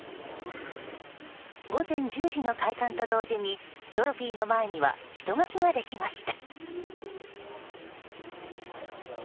午前１０時の開館と同時にトロフィーの前には人垣ができました。